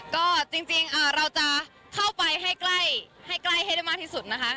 ก็จริงเราจะเข้าไปให้ใกล้ให้ใกล้ให้ได้มากที่สุดนะคะ